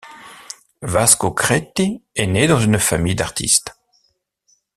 Vasco Creti est né dans une famille d'artistes.